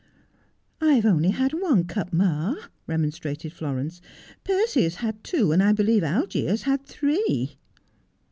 ' I've only had one cup, ma,' remonstrated Florence. ' Percy has had two ; and I believe Algie has had three.'